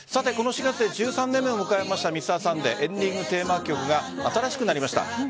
この４月で１３年目を迎えました「Ｍｒ．サンデー」エンディングテーマ曲が新しくなりました。